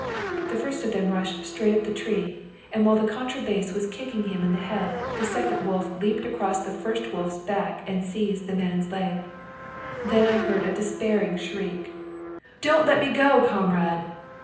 "The first of them rushed straight up the tree, and while the contra bass was kicking him in the head, the second wolf leaped across the first wolf's back and seized the man's leg. "I heard a despairing shriek: "'Don't let me go, comrade!'